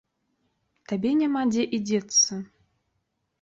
Табе няма дзе і дзецца?